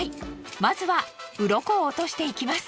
まずはうろこを落としていきます。